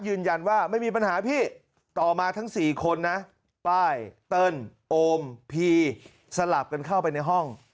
ยืนยันว่าไม่มีปัญหาพี่ต่อมาทั้ง๔คนนะป้ายเติ้ลโอมพีสลับกันเข้าไปในห้อง